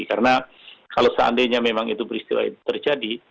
karena kalau seandainya memang itu beristirahat terjadi